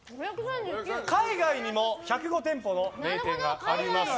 海外にも１０５店舗の名店があります。